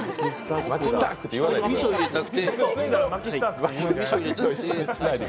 マキスタック！って言わないで。